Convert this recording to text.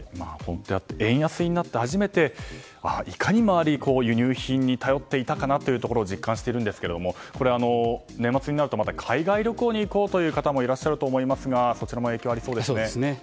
円安になって初めていかに周り、輸入品に頼っていたかなというところを実感しているんですがこれは年末になるとまた海外旅行に行くという方もいると思いますがそちらも影響ありそうですね。